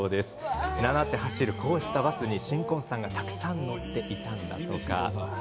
連なって走る、こうしたバスに新婚さんがたくさん乗っていたんだとか。